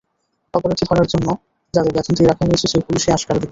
অপরাধী ধরার জন্য যাদের বেতন দিয়ে রাখা হয়েছে, সেই পুলিশই আশকারা দিচ্ছে।